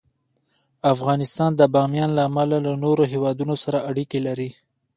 افغانستان د بامیان له امله له نورو هېوادونو سره اړیکې لري.